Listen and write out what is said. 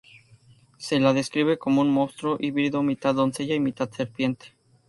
Se la describe como un monstruo híbrido mitad doncella y mitad serpiente.